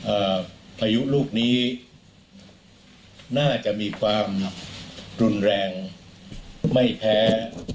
พายุลูกนี้น่าจะมีความรุนแรงไม่แพ้